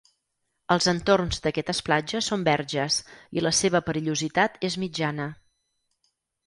Els entorns d'aquestes platges són verges i la seva perillositat és mitjana.